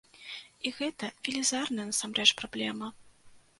І гэта велізарная, насамрэч, праблема.